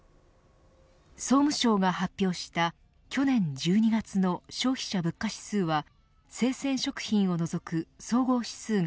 総務省が発表した去年１２月の消費者物価指数は生鮮食品を除く総合指数が